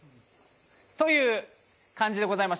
という感じでございます。